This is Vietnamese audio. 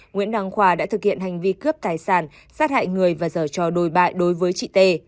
nguyễn đăng khoa đã thực hiện hành vi cướp tài sản sát hại người và giờ trò đồi bại đối với chị t